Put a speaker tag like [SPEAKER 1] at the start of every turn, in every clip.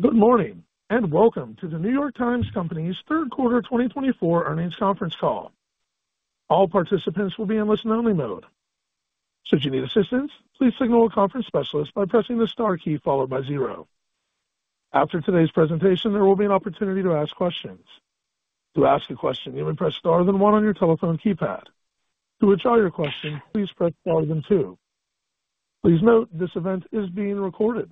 [SPEAKER 1] Good morning and welcome to The New York Times Company's Third Quarter 2024 earnings conference call. All participants will be in listen-only mode. Should you need assistance, please signal a conference specialist by pressing the star key followed by zero. After today's presentation, there will be an opportunity to ask questions. To ask a question, you may press star then one on your telephone keypad. To withdraw your question, please press star then two. Please note this event is being recorded.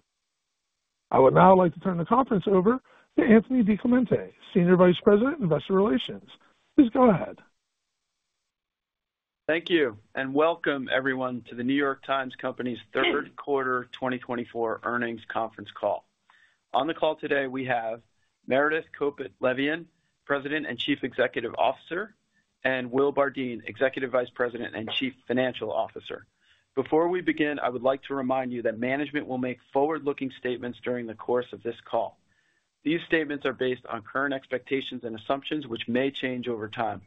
[SPEAKER 1] I would now like to turn the conference over to Anthony DiClemente, Senior Vice President, Investor Relations. Please go ahead.
[SPEAKER 2] Thank you and welcome everyone to The New York Times Company's Third Quarter 2024 earnings conference call. On the call today, we have Meredith Kopit Levien, President and Chief Executive Officer, and Will Bardeen, Executive Vice President and Chief Financial Officer. Before we begin, I would like to remind you that management will make forward-looking statements during the course of this call. These statements are based on current expectations and assumptions, which may change over time.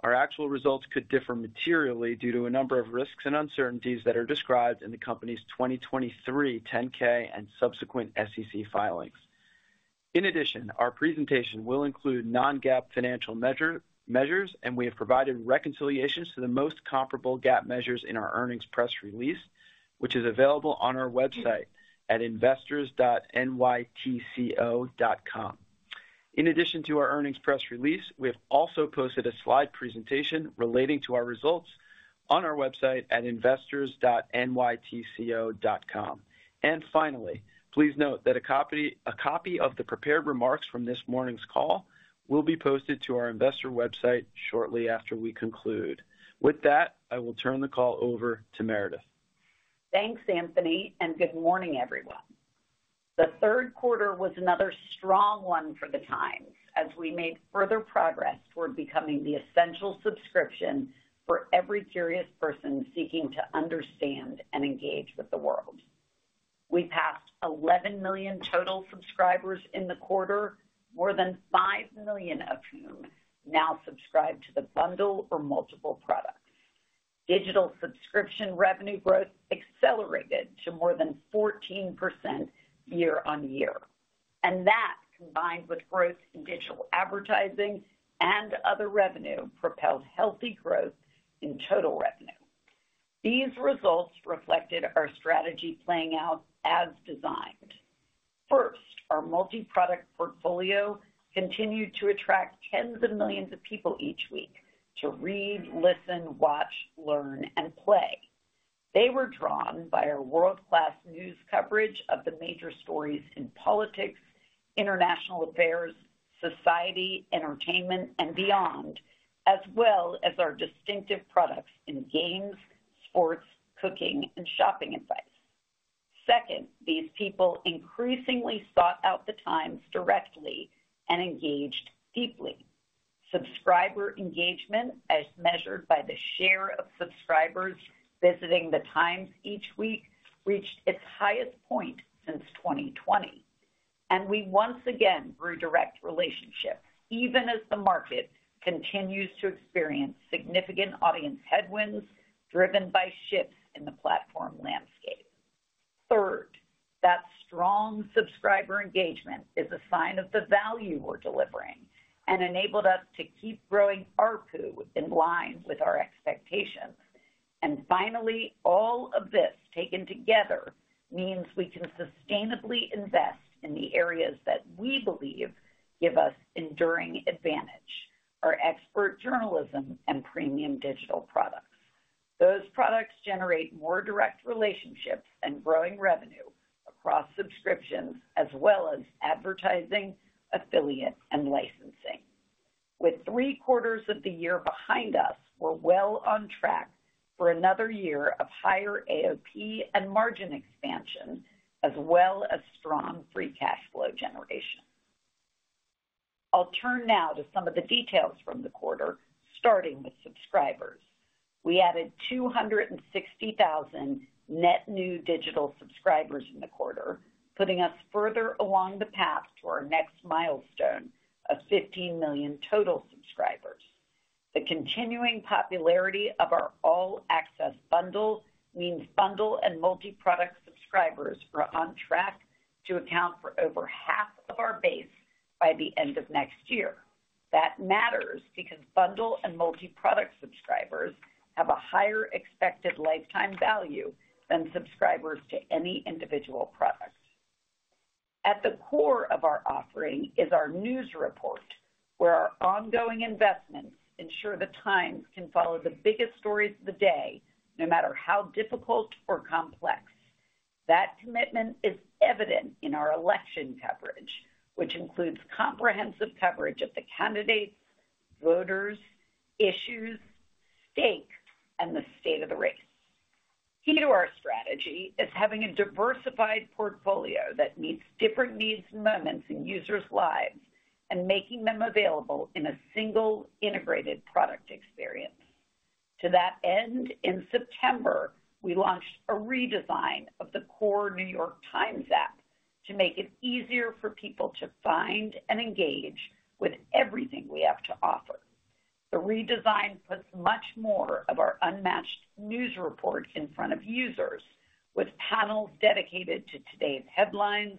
[SPEAKER 2] Our actual results could differ materially due to a number of risks and uncertainties that are described in the company's 2023 10-K and subsequent SEC filings. In addition, our presentation will include non-GAAP financial measures, and we have provided reconciliations to the most comparable GAAP measures in our earnings press release, which is available on our website at investors.nytco.com. In addition to our earnings press release, we have also posted a slide presentation relating to our results on our website at investors.nytco.com. And finally, please note that a copy of the prepared remarks from this morning's call will be posted to our investor website shortly after we conclude. With that, I will turn the call over to Meredith.
[SPEAKER 3] Thanks, Anthony, and good morning, everyone. The third quarter was another strong one for the Times as we made further progress toward becoming the essential subscription for every curious person seeking to understand and engage with the world. We passed 11 million total subscribers in the quarter, more than five million of whom now subscribe to the bundle or multiple products. Digital subscription revenue growth accelerated to more than 14% year on year, and that, combined with growth in digital advertising and other revenue, propelled healthy growth in total revenue. These results reflected our strategy playing out as designed. First, our multi-product portfolio continued to attract tens of millions of people each week to read, listen, watch, learn, and play. They were drawn by our world-class news coverage of the major stories in politics, international affairs, society, entertainment, and beyond, as well as our distinctive products in games, sports, cooking, and shopping advice. Second, these people increasingly sought out the Times directly and engaged deeply. Subscriber engagement, as measured by the share of subscribers visiting the Times each week, reached its highest point since 2020, and we once again grew direct relationships even as the market continues to experience significant audience headwinds driven by shifts in the platform landscape. Third, that strong subscriber engagement is a sign of the value we're delivering and enabled us to keep growing our pool in line with our expectations. And finally, all of this taken together means we can sustainably invest in the areas that we believe give us enduring advantage: our expert journalism and premium digital products. Those products generate more direct relationships and growing revenue across subscriptions as well as advertising, affiliate, and licensing. With three quarters of the year behind us, we're well on track for another year of higher AOP and margin expansion, as well as strong free cash flow generation. I'll turn now to some of the details from the quarter, starting with subscribers. We added 260,000 net new digital subscribers in the quarter, putting us further along the path to our next milestone of 15 million total subscribers. The continuing popularity of our all-access bundle means bundle and multi-product subscribers are on track to account for over half of our base by the end of next year. That matters because bundle and multi-product subscribers have a higher expected lifetime value than subscribers to any individual product. At the core of our offering is our news report, where our ongoing investments ensure the Times can follow the biggest stories of the day, no matter how difficult or complex. That commitment is evident in our election coverage, which includes comprehensive coverage of the candidates, voters, issues, stakes, and the state of the race. Key to our strategy is having a diversified portfolio that meets different needs and moments in users' lives and making them available in a single integrated product experience. To that end, in September, we launched a redesign of the core New York Times app to make it easier for people to find and engage with everything we have to offer. The redesign puts much more of our unmatched news report in front of users, with panels dedicated to today's headlines,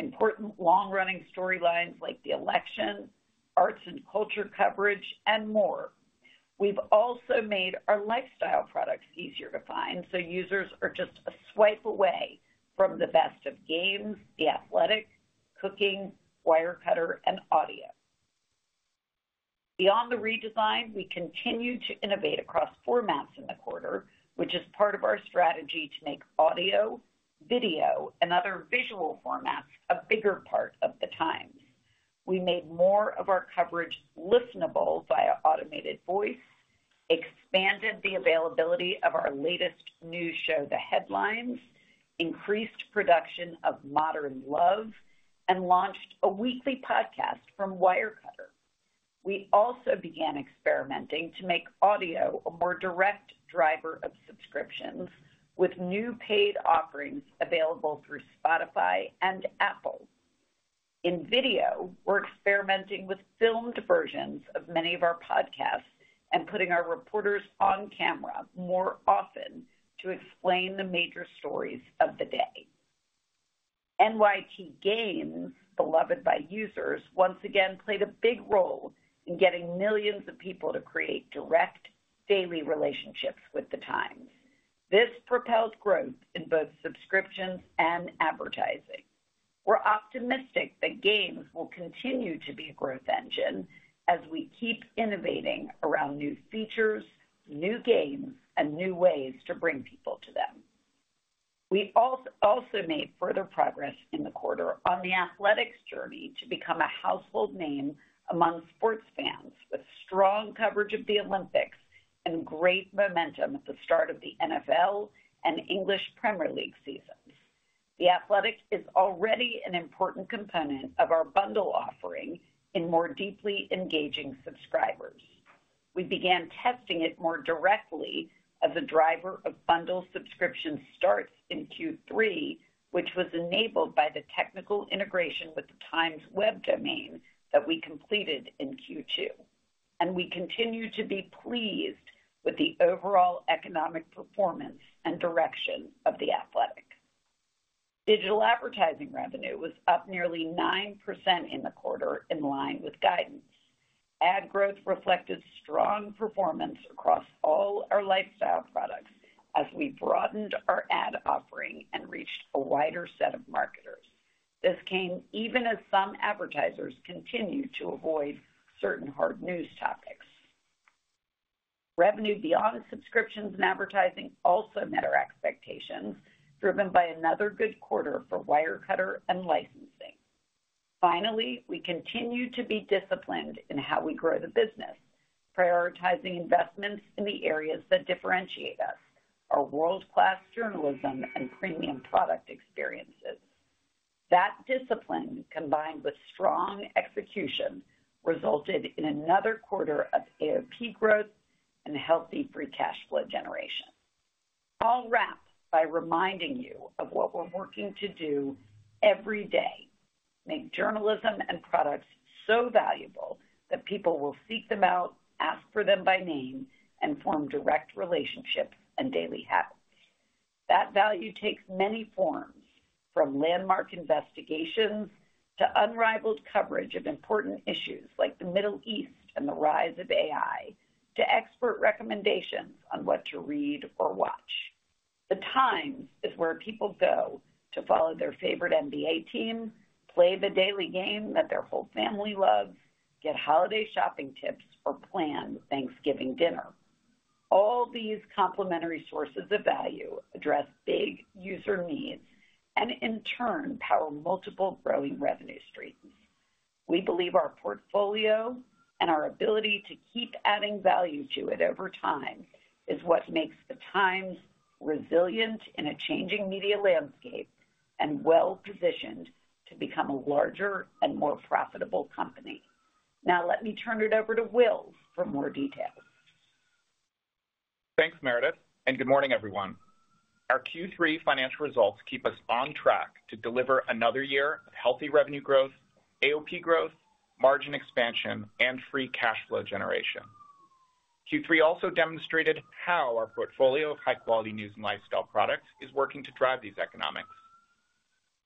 [SPEAKER 3] important long-running storylines like the election, arts and culture coverage, and more. We've also made our lifestyle products easier to find, so users are just a swipe away from the best of Games, The Athletic, Cooking, Wirecutter, and Audio. Beyond the redesign, we continue to innovate across formats in the quarter, which is part of our strategy to make audio, video, and other visual formats a bigger part of the Times. We made more of our coverage listenable via automated voice, expanded the availability of our latest new show, The Headlines, increased production of Modern Love, and launched a weekly podcast from Wirecutter. We also began experimenting to make audio a more direct driver of subscriptions, with new paid offerings available through Spotify and Apple. In video, we're experimenting with filmed versions of many of our podcasts and putting our reporters on camera more often to explain the major stories of the day. NYT Games, beloved by users, once again played a big role in getting millions of people to create direct, daily relationships with the Times. This propelled growth in both subscriptions and advertising. We're optimistic that games will continue to be a growth engine as we keep innovating around new features, new games, and new ways to bring people to them. We also made further progress in the quarter on The Athletic's journey to become a household name among sports fans, with strong coverage of the Olympics and great momentum at the start of the NFL and English Premier League seasons. The Athletic is already an important component of our bundle offering in more deeply engaging subscribers. We began testing it more directly as a driver of bundle subscription starts in Q3, which was enabled by the technical integration with the Times web domain that we completed in Q2, and we continue to be pleased with the overall economic performance and direction of The Athletic. Digital advertising revenue was up nearly 9% in the quarter, in line with guidance. Ad growth reflected strong performance across all our lifestyle products as we broadened our ad offering and reached a wider set of marketers. This came even as some advertisers continued to avoid certain hard news topics. Revenue beyond subscriptions and advertising also met our expectations, driven by another good quarter for Wirecutter and licensing. Finally, we continue to be disciplined in how we grow the business, prioritizing investments in the areas that differentiate us: our world-class journalism and premium product experiences. That discipline, combined with strong execution, resulted in another quarter of AOP growth and healthy free cash flow generation. I'll wrap by reminding you of what we're working to do every day: make journalism and products so valuable that people will seek them out, ask for them by name, and form direct relationships and daily habits. That value takes many forms, from landmark investigations to unrivaled coverage of important issues like the Middle East and the rise of AI, to expert recommendations on what to read or watch. The Times is where people go to follow their favorite NBA team, play the daily game that their whole family loves, get holiday shopping tips, or plan Thanksgiving dinner. All these complementary sources of value address big user needs and, in turn, power multiple growing revenue streams. We believe our portfolio and our ability to keep adding value to it over time is what makes the Times resilient in a changing media landscape and well-positioned to become a larger and more profitable company. Now, let me turn it over to Will for more details.
[SPEAKER 4] Thanks, Meredith, and good morning, everyone. Our Q3 financial results keep us on track to deliver another year of healthy revenue growth, AOP growth, margin expansion, and free cash flow generation. Q3 also demonstrated how our portfolio of high-quality news and lifestyle products is working to drive these economics.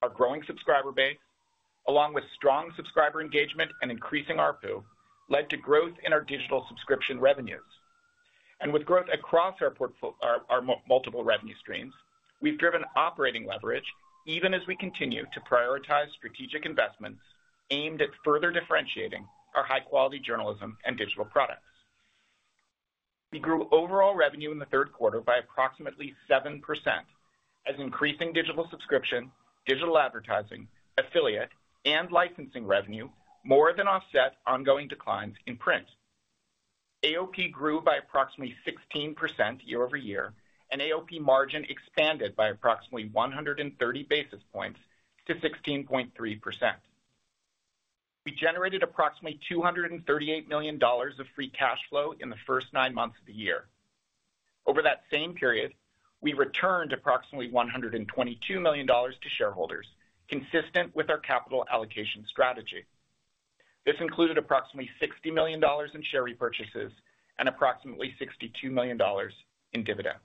[SPEAKER 4] Our growing subscriber base, along with strong subscriber engagement and increasing our pool, led to growth in our digital subscription revenues. And with growth across our multiple revenue streams, we've driven operating leverage even as we continue to prioritize strategic investments aimed at further differentiating our high-quality journalism and digital products. We grew overall revenue in the third quarter by approximately 7% as increasing digital subscription, digital advertising, affiliate, and licensing revenue more than offset ongoing declines in print. AOP grew by approximately 16% year over year, and AOP margin expanded by approximately 130 basis points to 16.3%. We generated approximately $238 million of free cash flow in the first nine months of the year. Over that same period, we returned approximately $122 million to shareholders, consistent with our capital allocation strategy. This included approximately $60 million in share repurchases and approximately $62 million in dividends.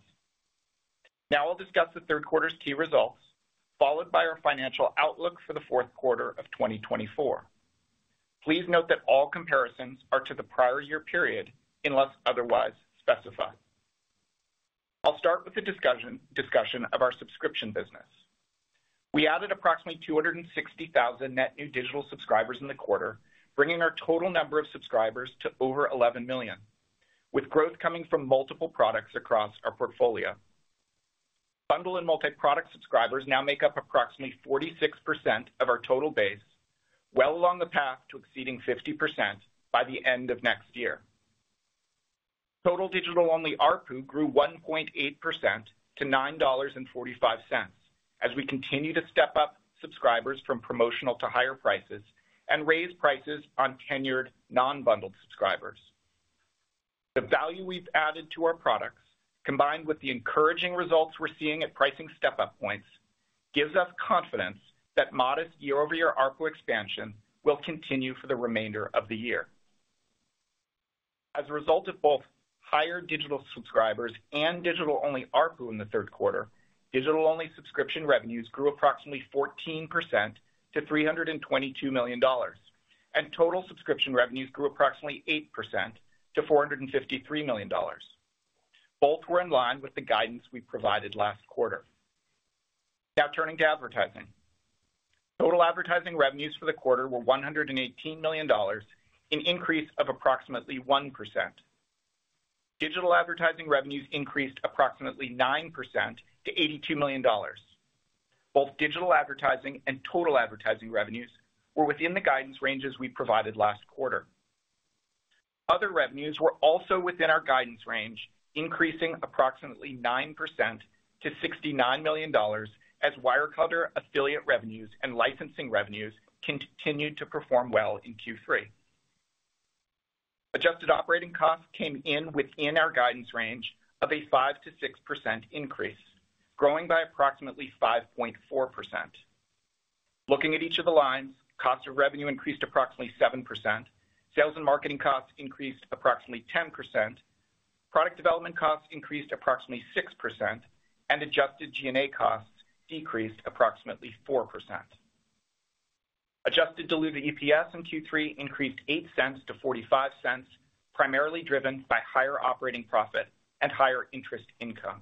[SPEAKER 4] Now, I'll discuss the third quarter's key results, followed by our financial outlook for the fourth quarter of 2024. Please note that all comparisons are to the prior year period unless otherwise specified. I'll start with the discussion of our subscription business. We added approximately 260,000 net new digital subscribers in the quarter, bringing our total number of subscribers to over 11 million, with growth coming from multiple products across our portfolio. Bundle and multi-product subscribers now make up approximately 46% of our total base, well along the path to exceeding 50% by the end of next year. Total digital-only ARPU grew 1.8% to $9.45 as we continue to step up subscribers from promotional to higher prices and raise prices on tenured non-bundled subscribers. The value we've added to our products, combined with the encouraging results we're seeing at pricing step-up points, gives us confidence that modest year-over-year ARPU expansion will continue for the remainder of the year. As a result of both higher digital subscribers and digital-only ARPU in the third quarter, digital-only subscription revenues grew approximately 14% to $322 million, and total subscription revenues grew approximately 8% to $453 million. Both were in line with the guidance we provided last quarter. Now, turning to advertising. Total advertising revenues for the quarter were $118 million, an increase of approximately 1%. Digital advertising revenues increased approximately 9% to $82 million. Both digital advertising and total advertising revenues were within the guidance ranges we provided last quarter. Other revenues were also within our guidance range, increasing approximately 9% to $69 million as Wirecutter, affiliate revenues, and licensing revenues continued to perform well in Q3. Adjusted operating costs came in within our guidance range of a 5%-6% increase, growing by approximately 5.4%. Looking at each of the lines, cost of revenue increased approximately 7%, sales and marketing costs increased approximately 10%, product development costs increased approximately 6%, and adjusted G&A costs decreased approximately 4%. Adjusted diluted EPS in Q3 increased $0.08-$0.45, primarily driven by higher operating profit and higher interest income.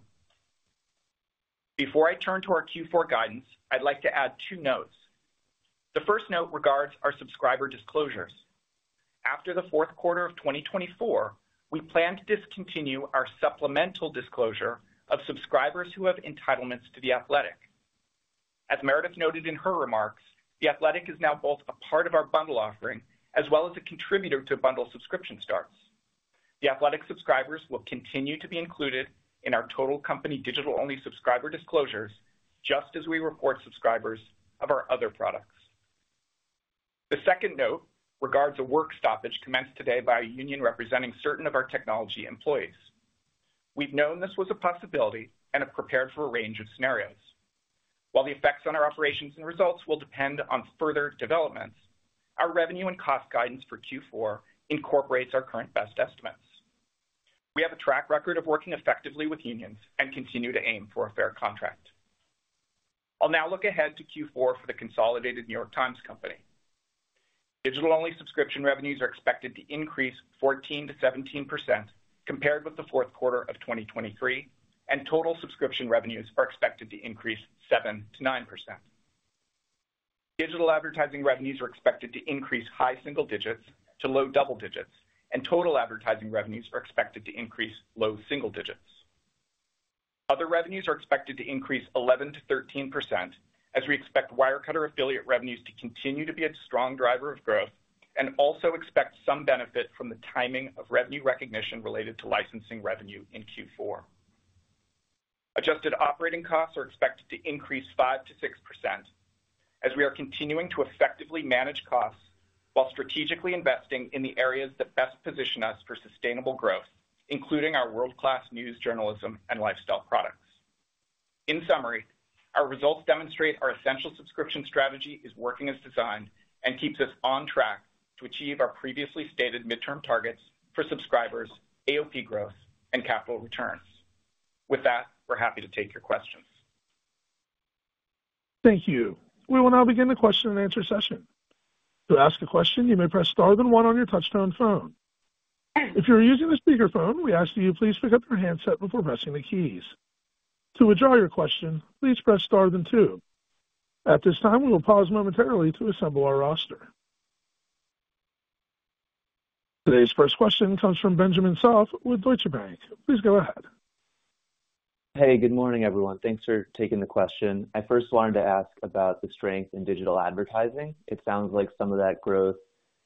[SPEAKER 4] Before I turn to our Q4 guidance, I'd like to add two notes. The first note regards our subscriber disclosures. After the fourth quarter of 2024, we plan to discontinue our supplemental disclosure of subscribers who have entitlements to The Athletic. As Meredith noted in her remarks, The Athletic is now both a part of our bundle offering as well as a contributor to bundle subscription starts. The Athletic subscribers will continue to be included in our total company digital-only subscriber disclosures, just as we report subscribers of our other products. The second note regards a work stoppage commenced today by a union representing certain of our technology employees. We've known this was a possibility and have prepared for a range of scenarios. While the effects on our operations and results will depend on further developments, our revenue and cost guidance for Q4 incorporates our current best estimates. We have a track record of working effectively with unions and continue to aim for a fair contract. I'll now look ahead to Q4 for the consolidated New York Times Company. Digital-only subscription revenues are expected to increase 14%-17% compared with the fourth quarter of 2023, and total subscription revenues are expected to increase 7%-9%. Digital advertising revenues are expected to increase high single digits to low double digits, and total advertising revenues are expected to increase low single digits. Other revenues are expected to increase 11%-13%, as we expect Wirecutter affiliate revenues to continue to be a strong driver of growth and also expect some benefit from the timing of revenue recognition related to licensing revenue in Q4. Adjusted operating costs are expected to increase 5%-6%, as we are continuing to effectively manage costs while strategically investing in the areas that best position us for sustainable growth, including our world-class news, journalism, and lifestyle products. In summary, our results demonstrate our essential subscription strategy is working as designed and keeps us on track to achieve our previously stated midterm targets for subscribers, AOP growth, and capital returns. With that, we're happy to take your questions.
[SPEAKER 1] Thank you. We will now begin the question-and-answer session. To ask a question, you may press star then one on your touch-tone phone. If you're using the speakerphone, we ask that you please pick up your handset before pressing the keys. To withdraw your question, please press star then two. At this time, we will pause momentarily to assemble our roster. Today's first question comes from Benjamin Soff with Deutsche Bank. Please go ahead.
[SPEAKER 5] Hey, good morning, everyone. Thanks for taking the question. I first wanted to ask about the strength in digital advertising. It sounds like some of that growth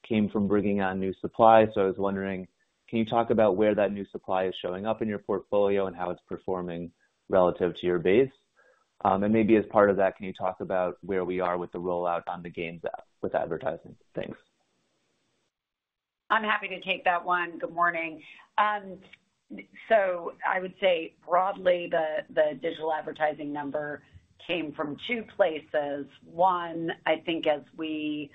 [SPEAKER 5] came from bringing on new supply, so I was wondering, can you talk about where that new supply is showing up in your portfolio and how it's performing relative to your base? And maybe as part of that, can you talk about where we are with the rollout on the Games app with advertising? Thanks.
[SPEAKER 3] I'm happy to take that one. Good morning, so I would say broadly, the digital advertising number came from two places. One, I think as we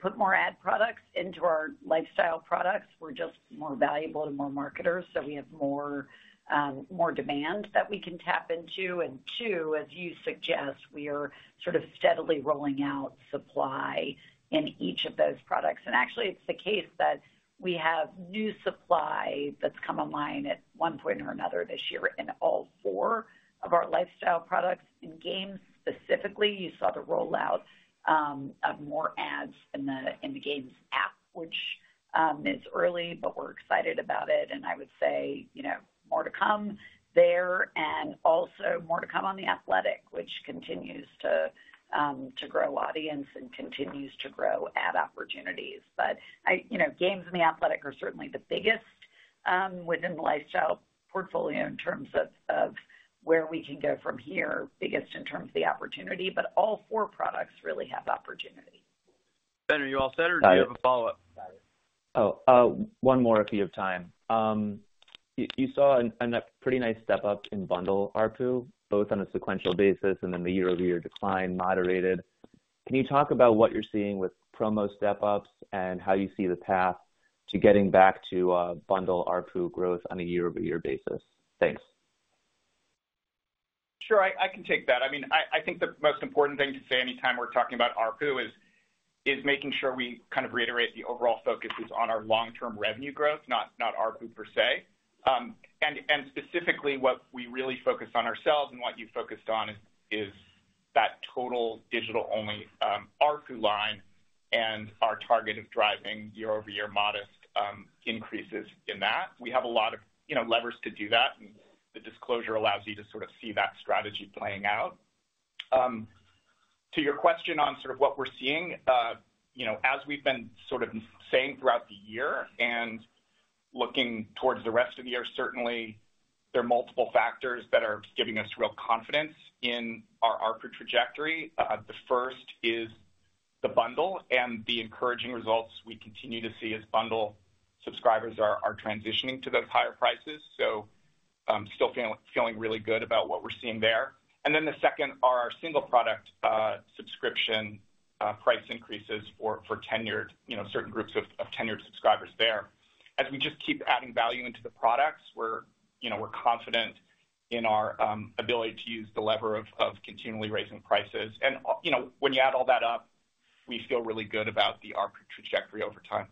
[SPEAKER 3] put more ad products into our lifestyle products, we're just more valuable to more marketers, so we have more demand that we can tap into, and two, as you suggest, we are sort of steadily rolling out supply in each of those products, and actually, it's the case that we have new supply that's come online at one point or another this year in all four of our lifestyle products. In Games specifically, you saw the rollout of more ads in the Games app, which is early, but we're excited about it, and I would say more to come there, and also more to come on The Athletic, which continues to grow audience and continues to grow ad opportunities. But Games and The Athletic are certainly the biggest within the lifestyle portfolio in terms of where we can go from here. Biggest in terms of the opportunity, but all four products really have opportunity.
[SPEAKER 2] Ben, are you all set or do you have a follow-up?
[SPEAKER 5] Oh, one more if you have time. You saw a pretty nice step-up in bundle ARPU, both on a sequential basis and then the year-over-year decline moderated. Can you talk about what you're seeing with promo step-ups and how you see the path to getting back to bundle ARPU growth on a year-over-year basis? Thanks.
[SPEAKER 4] Sure, I can take that. I mean, I think the most important thing to say anytime we're talking about ARPU is making sure we kind of reiterate the overall focus is on our long-term revenue growth, not ARPU per se. Specifically, what we really focus on ourselves and what you focused on is that total digital-only ARPU line and our target of driving year-over-year modest increases in that. We have a lot of levers to do that, and the disclosure allows you to sort of see that strategy playing out. To your question on sort of what we're seeing, as we've been sort of saying throughout the year and looking towards the rest of the year, certainly, there are multiple factors that are giving us real confidence in our ARPU trajectory. The first is the bundle and the encouraging results we continue to see as bundle subscribers are transitioning to those higher prices, so still feeling really good about what we're seeing there. And then the second are our single product subscription price increases for certain groups of tenured subscribers there. As we just keep adding value into the products, we're confident in our ability to use the lever of continually raising prices. And when you add all that up, we feel really good about the ARPU trajectory over time.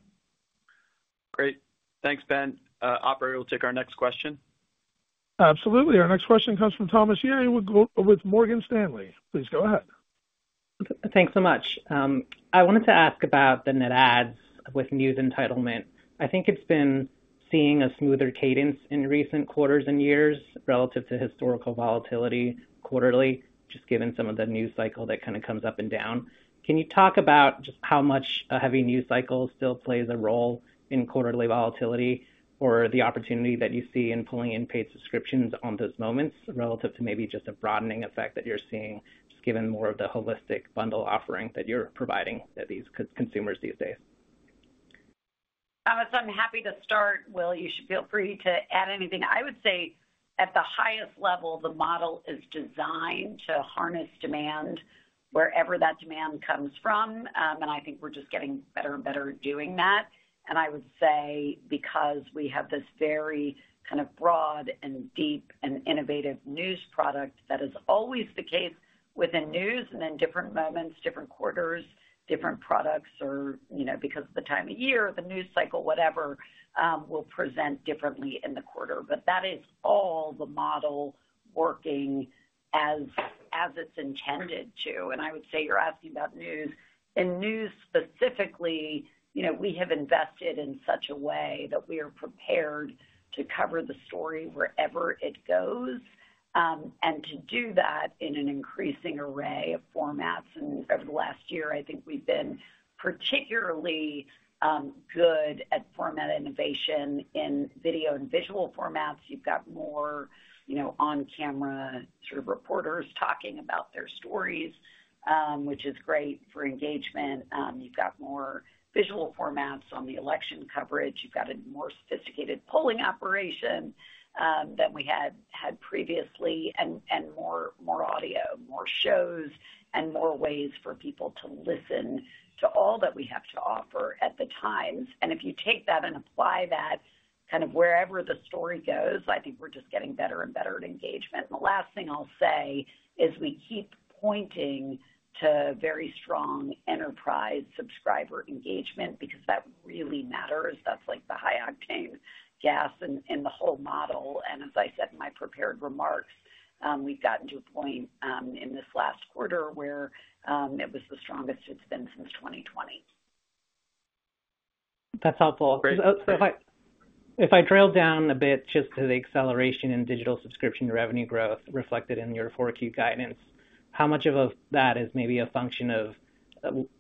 [SPEAKER 2] Great. Thanks, Ben. Operator will take our next question.
[SPEAKER 1] Absolutely. Our next question comes from Thomas Yeh, with Morgan Stanley. Please go ahead.
[SPEAKER 6] Thanks so much. I wanted to ask about the net adds with news entitlement. I think it's been seeing a smoother cadence in recent quarters and years relative to historical volatility quarterly, just given some of the news cycle that kind of comes up and down. Can you talk about just how much a heavy news cycle still plays a role in quarterly volatility or the opportunity that you see in pulling in paid subscriptions on those moments relative to maybe just a broadening effect that you're seeing, just given more of the holistic bundle offering that you're providing to these consumers these days?
[SPEAKER 3] Thomas, I'm happy to start. Will, you should feel free to add anything. I would say at the highest level, the model is designed to harness demand wherever that demand comes from. And I think we're just getting better and better at doing that. And I would say because we have this very kind of broad and deep and innovative news product, that is always the case within news and in different moments, different quarters, different products or because of the time of year, the news cycle, whatever, will present differently in the quarter. But that is all the model working as it's intended to. And I would say you're asking about news. In news specifically, we have invested in such a way that we are prepared to cover the story wherever it goes and to do that in an increasing array of formats. And over the last year, I think we've been particularly good at format innovation in video and visual formats. You've got more on-camera sort of reporters talking about their stories, which is great for engagement. You've got more visual formats on the election coverage. You've got a more sophisticated polling operation than we had previously and more audio, more shows, and more ways for people to listen to all that we have to offer at the Times. And if you take that and apply that kind of wherever the story goes, I think we're just getting better and better at engagement. And the last thing I'll say is we keep pointing to very strong enterprise subscriber engagement because that really matters. That's like the high-octane gas in the whole model. As I said in my prepared remarks, we've gotten to a point in this last quarter where it was the strongest it's been since 2020.
[SPEAKER 6] That's helpful. If I drill down a bit just to the acceleration in digital subscription revenue growth reflected in your Q4 guidance, how much of that is maybe a function of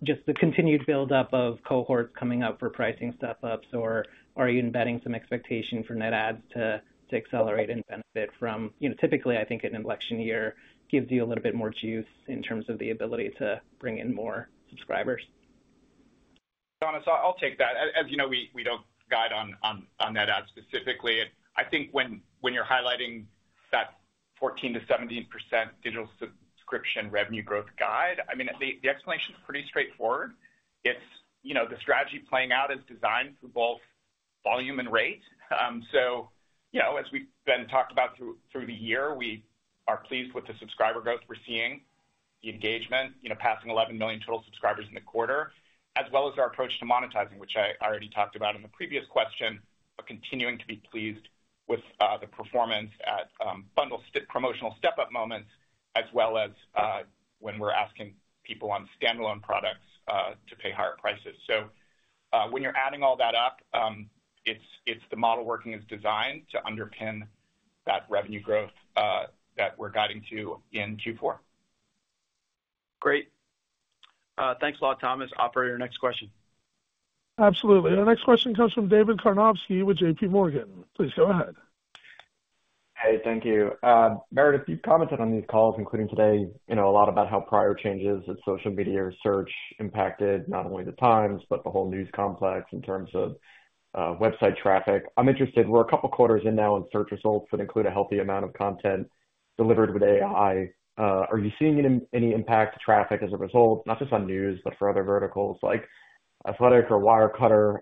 [SPEAKER 6] just the continued build-up of cohorts coming up for pricing step-ups, or are you embedding some expectation for net adds to accelerate and benefit from typically, I think an election year gives you a little bit more juice in terms of the ability to bring in more subscribers?
[SPEAKER 4] Thomas, I'll take that. As you know, we don't guide on net adds specifically. I think when you're highlighting that 14%-17% digital subscription revenue growth guide, I mean, the explanation is pretty straightforward. It's the strategy playing out is designed for both volume and rate. So as we've been talking about through the year, we are pleased with the subscriber growth we're seeing, the engagement, passing 11 million total subscribers in the quarter, as well as our approach to monetizing, which I already talked about in the previous question, but continuing to be pleased with the performance at bundle promotional step-up moments as well as when we're asking people on standalone products to pay higher prices. So when you're adding all that up, it's the model working as designed to underpin that revenue growth that we're guiding to in Q4.
[SPEAKER 2] Great. Thanks a lot, Thomas. Operator, next question.
[SPEAKER 1] Absolutely. Our next question comes from David Karnovsky with JPMorgan. Please go ahead.
[SPEAKER 7] Hey, thank you. Meredith, you've commented on these calls, including today, a lot about how prior changes in social media search impacted not only the Times but the whole news complex in terms of website traffic. I'm interested. We're a couple of quarters in now in search results that include a healthy amount of content delivered with AI. Are you seeing any impact to traffic as a result, not just on news, but for other verticals like Athletic or Wirecutter?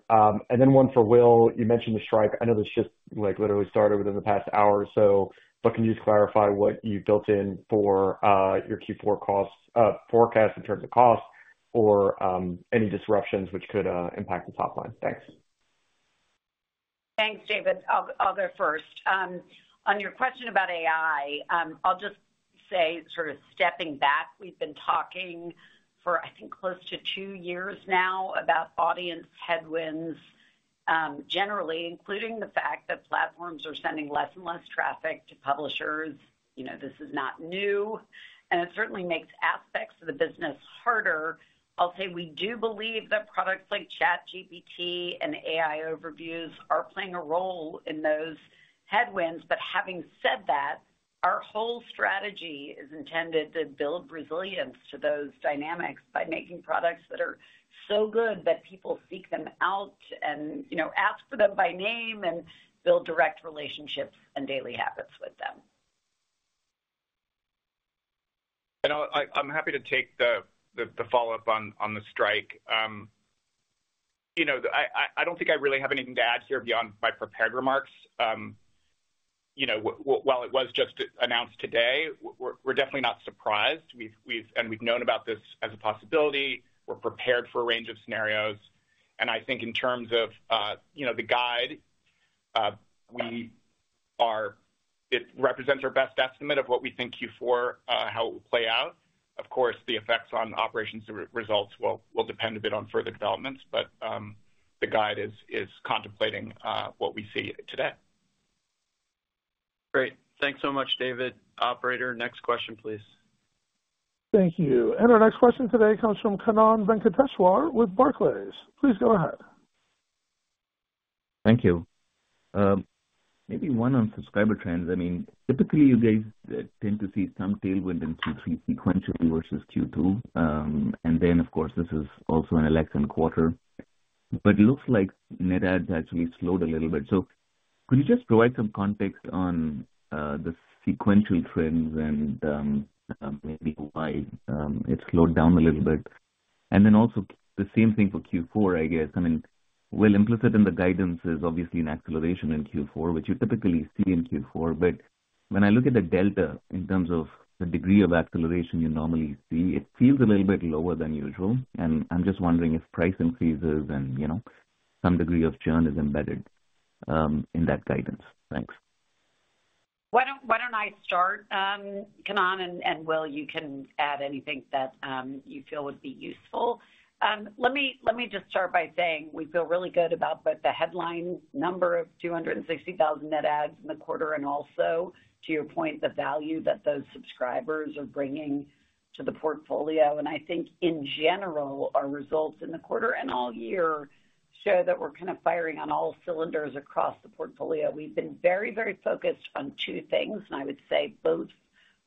[SPEAKER 7] And then one for Will, you mentioned the strike. I know this just literally started within the past hour or so, but can you clarify what you built in for your Q4 forecast in terms of cost or any disruptions which could impact the top line? Thanks.
[SPEAKER 3] Thanks, David. I'll go first. On your question about AI, I'll just say sort of stepping back, we've been talking for, I think, close to two years now about audience headwinds generally, including the fact that platforms are sending less and less traffic to publishers. This is not new, and it certainly makes aspects of the business harder. I'll say we do believe that products like ChatGPT and AI Overviews are playing a role in those headwinds. But having said that, our whole strategy is intended to build resilience to those dynamics by making products that are so good that people seek them out and ask for them by name and build direct relationships and daily habits with them.
[SPEAKER 4] I'm happy to take the follow-up on the strike. I don't think I really have anything to add here beyond my prepared remarks. While it was just announced today, we're definitely not surprised, and we've known about this as a possibility. We're prepared for a range of scenarios. I think in terms of the guide, it represents our best estimate of what we think Q4, how it will play out. Of course, the effects on operations results will depend a bit on further developments, but the guide is contemplating what we see today.
[SPEAKER 2] Great. Thanks so much, David. Operator, next question, please.
[SPEAKER 1] Thank you. And our next question today comes from Kannan Venkateshwar with Barclays. Please go ahead.
[SPEAKER 8] Thank you. Maybe one on subscriber trends. I mean, typically, you guys tend to see some tailwind in Q3 sequentially versus Q2. And then, of course, this is also an election quarter. But it looks like net adds actually slowed a little bit. So could you just provide some context on the sequential trends and maybe why it slowed down a little bit? And then also the same thing for Q4, I guess. I mean, Will, implicit in the guidance is obviously an acceleration in Q4, which you typically see in Q4. But when I look at the delta in terms of the degree of acceleration you normally see, it feels a little bit lower than usual. And I'm just wondering if price increases and some degree of churn is embedded in that guidance. Thanks.
[SPEAKER 3] Why don't I start? Kannan and Will, you can add anything that you feel would be useful. Let me just start by saying we feel really good about the headline number of 260,000 net adds in the quarter. And also, to your point, the value that those subscribers are bringing to the portfolio. And I think, in general, our results in the quarter and all year show that we're kind of firing on all cylinders across the portfolio. We've been very, very focused on two things, and I would say both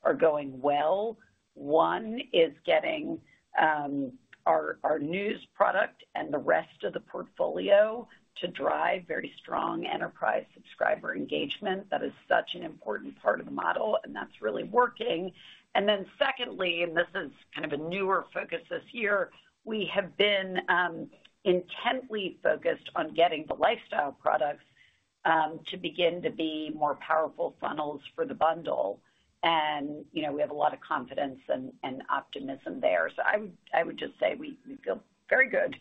[SPEAKER 3] are going well. One is getting our news product and the rest of the portfolio to drive very strong engaged subscriber engagement. That is such an important part of the model, and that's really working. And then, secondly, and this is kind of a newer focus this year, we have been intently focused on getting the lifestyle products to begin to be more powerful funnels for the bundle. And we have a lot of confidence and optimism there. So I would just say we feel very good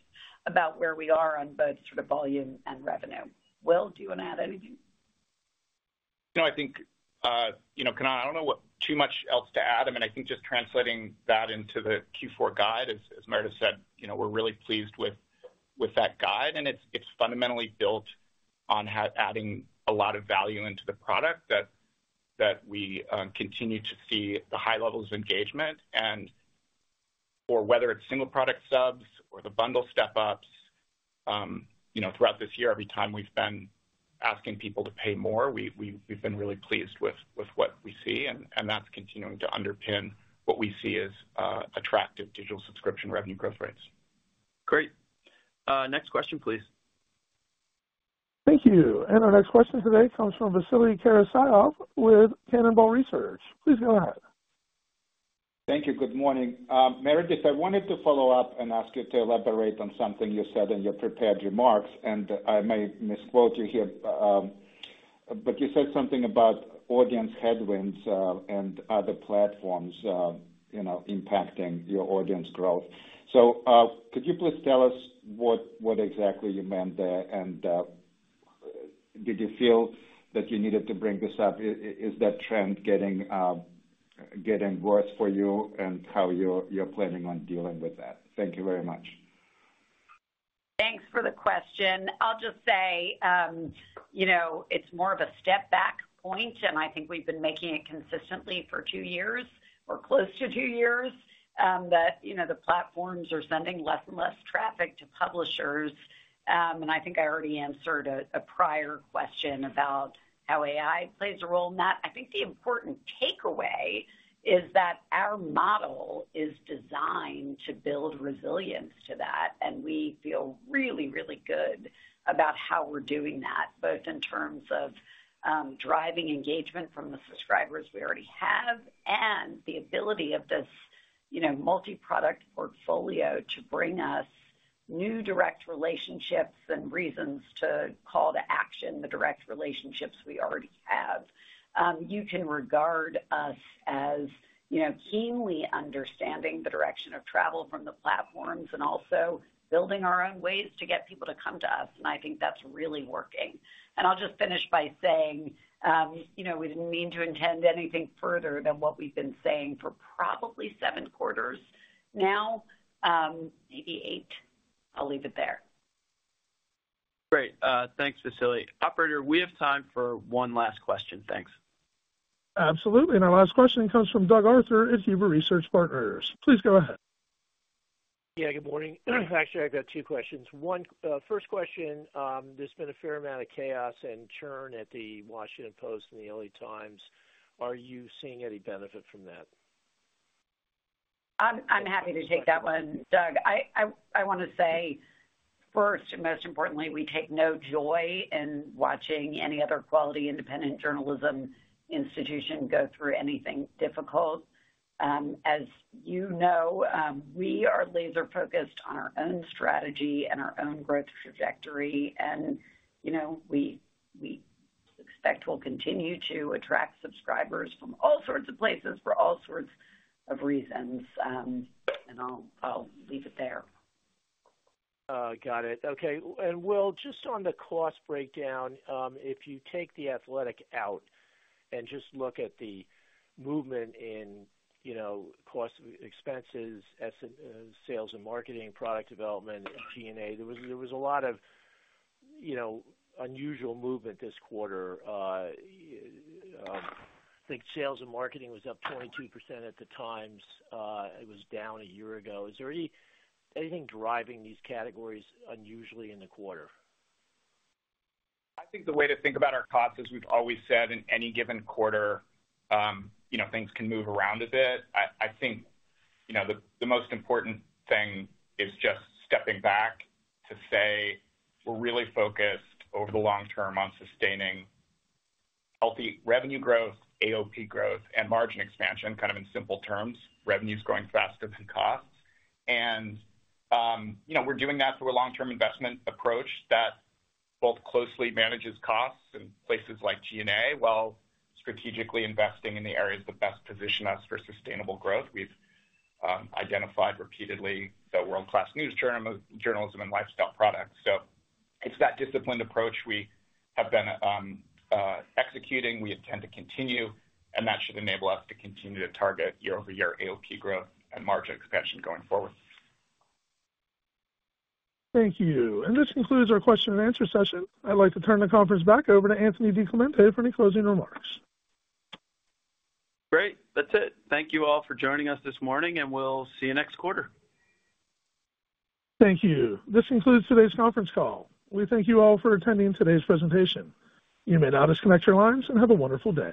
[SPEAKER 3] about where we are on both sort of volume and revenue. Will, do you want to add anything?
[SPEAKER 4] I think, Kannan, I don't know too much else to add. I mean, I think just translating that into the Q4 guide, as Meredith said, we're really pleased with that guide. And it's fundamentally built on adding a lot of value into the product that we continue to see the high levels of engagement. And for whether it's single product subs or the bundle step-ups, throughout this year, every time we've been asking people to pay more, we've been really pleased with what we see. And that's continuing to underpin what we see as attractive digital subscription revenue growth rates.
[SPEAKER 2] Great. Next question, please.
[SPEAKER 1] Thank you. And our next question today comes from Vasily Karasyov with Cannonball Research. Please go ahead.
[SPEAKER 9] Thank you. Good morning. Meredith, I wanted to follow up and ask you to elaborate on something you said in your prepared remarks. And I may misquote you here, but you said something about audience headwinds and other platforms impacting your audience growth. So could you please tell us what exactly you meant there? And did you feel that you needed to bring this up? Is that trend getting worse for you and how you're planning on dealing with that? Thank you very much.
[SPEAKER 3] Thanks for the question. I'll just say it's more of a step-back point, and I think we've been making it consistently for two years or close to two years that the platforms are sending less and less traffic to publishers, and I think I already answered a prior question about how AI plays a role in that. I think the important takeaway is that our model is designed to build resilience to that, and we feel really, really good about how we're doing that, both in terms of driving engagement from the subscribers we already have and the ability of this multi-product portfolio to bring us new direct relationships and reasons to call to action the direct relationships we already have. You can regard us as keenly understanding the direction of travel from the platforms and also building our own ways to get people to come to us. I think that's really working. I'll just finish by saying we didn't mean to intend anything further than what we've been saying for probably seven quarters now, maybe eight. I'll leave it there.
[SPEAKER 2] Great. Thanks, Vasily. Operator, we have time for one last question. Thanks.
[SPEAKER 1] Absolutely. And our last question comes from Doug Arthur at Huber Research Partners. Please go ahead.
[SPEAKER 10] Yeah, good morning. Actually, I've got two questions. First question, there's been a fair amount of chaos and churn at The Washington Post and the Los Angeles Times. Are you seeing any benefit from that?
[SPEAKER 3] I'm happy to take that one, Doug. I want to say, first and most importantly, we take no joy in watching any other quality independent journalism institution go through anything difficult. As you know, we are laser-focused on our own strategy and our own growth trajectory. And we expect we'll continue to attract subscribers from all sorts of places for all sorts of reasons. And I'll leave it there.
[SPEAKER 10] Got it. Okay. And Will, just on the cost breakdown, if you take The Athletic out and just look at the movement in costs, expenses, sales, and marketing, product development, G&A, there was a lot of unusual movement this quarter. I think sales and marketing was up 22% at the Times. It was down a year ago. Is there anything driving these categories unusually in the quarter?
[SPEAKER 4] I think the way to think about our costs is we've always said in any given quarter, things can move around a bit. I think the most important thing is just stepping back to say we're really focused over the long term on sustaining healthy revenue growth, AOP growth, and margin expansion, kind of in simple terms, revenues going faster than costs. And we're doing that through a long-term investment approach that both closely manages costs in places like G&A while strategically investing in the areas that best position us for sustainable growth. We've identified repeatedly the world-class news journalism and lifestyle products. So it's that disciplined approach we have been executing. We intend to continue, and that should enable us to continue to target year-over-year AOP growth and margin expansion going forward.
[SPEAKER 1] Thank you. And this concludes our question-and-answer session. I'd like to turn the conference back over to Anthony DiClemente for any closing remarks.
[SPEAKER 2] Great. That's it. Thank you all for joining us this morning, and we'll see you next quarter.
[SPEAKER 1] Thank you. This concludes today's conference call. We thank you all for attending today's presentation. You may now disconnect your lines and have a wonderful day.